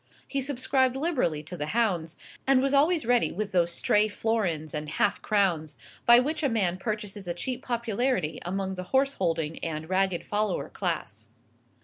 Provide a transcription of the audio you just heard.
He subscribed liberally to the hounds, and was always ready with those stray florins and half crowns by which a man purchases a cheap popularity among the horse holding and ragged follower class.